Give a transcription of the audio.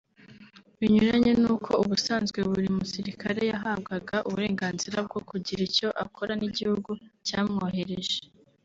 binyuranye n’uko ubusanzwe buri musirikare yahabwaga uburenganzira bwo kugira icyo akora n’igihugu cyamwohereje